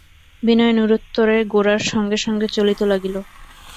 বিনয় নিরুত্তরে গোরার সঙ্গে সঙ্গে চলিতে লাগিল।